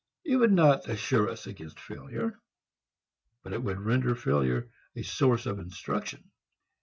It would not assure us against failure, but it would render failure a source of instruction.